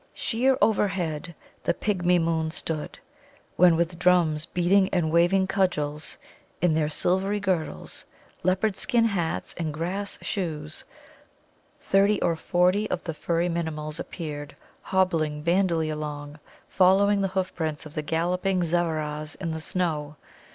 Sheer overhead the pygmy moon stood, when with drums beating and waving cudgels, in their silvery girdles, leopard skin hats, and grass shoes, thirty or forty of the fury Minimuls appeared, hobbling bandily along, following the hoof prints of the galloping Zevveras in the snow.